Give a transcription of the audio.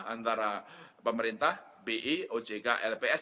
antara pemerintah bi ojk lps